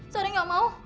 sari gak mau